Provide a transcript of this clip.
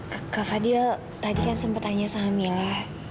kak fadil tadi kan sempat tanya sama mila